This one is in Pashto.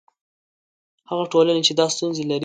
هغه ټولنې چې دا ستونزې لري.